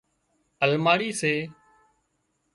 الماڙِي سي